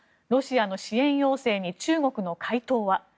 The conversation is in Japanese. ロシアの支援要請に中国の回答は。